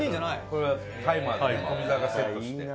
これはタイマー富澤がセットして。